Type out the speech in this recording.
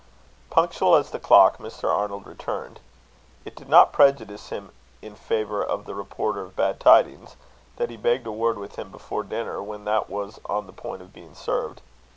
Punctual as the clock, Mr. Arnold returned. It did not prejudice him in favour of the reporter of bad tidings, that he begged a word with him before dinner, when that was on the point of being served.